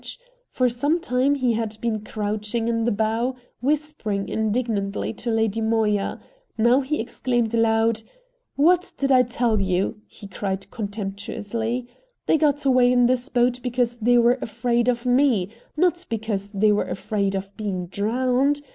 For some time he had been crouching in the bow, whispering indignantly to Lady Moya; now he exclaimed aloud: "What did I tell you?" he cried contemptuously; "they got away in this boat because they were afraid of ME, not because they were afraid of being drowned.